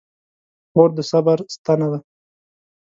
خور د صبر ستنه ده.